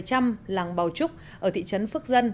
trăm làng bào trúc ở thị trấn phước dân